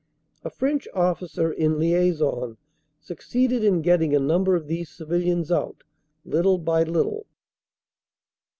A French officer in liason succeeded in getting a number of these civilians out, little by little.